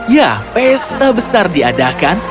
ya festa besar diadakan